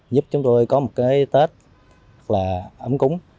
giúp chúng tôi có một cái tết ấm cúng